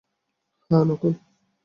হ্যাঁ, নকল।